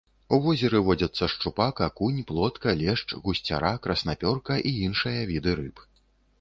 У возеры водзяцца шчупак, акунь, плотка, лешч, гусцяра, краснапёрка і іншыя віды рыб.